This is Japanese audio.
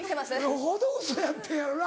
よほどウソやったんやろな。